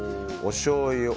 おしょうゆ